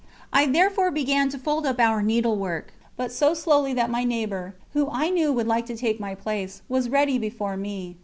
I therefore began to fold up our needlework, but so slowly that my neighbour, who I knew would like to take my place, was ready before me.